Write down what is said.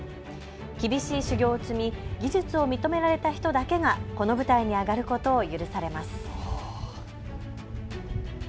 厳しい修行を積み、技術を認められた人だけがこの舞台に上がることを許されます。